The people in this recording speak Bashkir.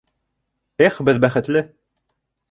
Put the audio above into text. — Эх, беҙ бәхетле!